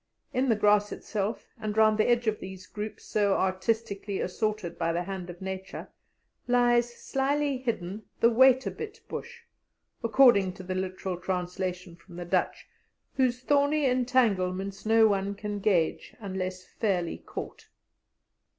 In the grass itself, and round the edge of these groups so artistically assorted by the hand of Nature, lies slyly hidden the "wait a bit" bush, according to the literal translation from the Dutch, whose thorny entanglements no one can gauge unless fairly caught.